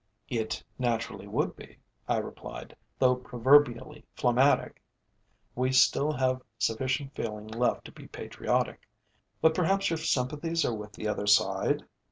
"It naturally would be," I replied. "Though proverbially phlegmatic, we still have sufficient feeling left to be patriotic; but perhaps your sympathies are with the other side?"